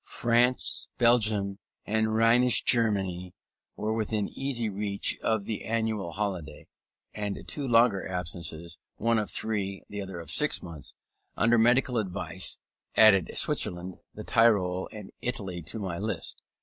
France, Belgium, and Rhenish Germany were within easy reach of the annual holiday: and two longer absences, one of three, the other of six months, under medical advice, added Switzerland, the Tyrol, and Italy to my list.